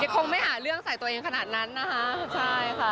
คงไม่หาเรื่องใส่ตัวเองขนาดนั้นนะคะใช่ค่ะ